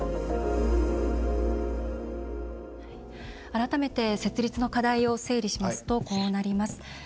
改めて、設立の課題を整理しますとこうなります。